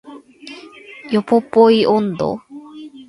ヨポポイ音頭